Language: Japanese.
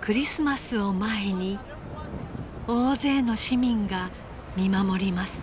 クリスマスを前に大勢の市民が見守ります。